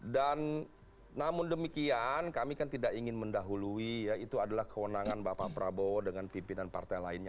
dan namun demikian kami kan tidak ingin mendahului ya itu adalah kewenangan bapak prabowo dengan pimpinan partai lainnya